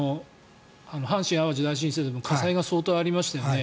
阪神・淡路大震災でも火災が相当ありましたよね。